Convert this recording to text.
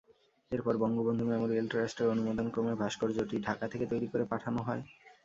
এরপর বঙ্গবন্ধু মেমোরিয়াল ট্রাস্টের অনুমোদনক্রমে ভাস্কর্যটি ঢাকা থেকে তৈরি করে পাঠানো হয়।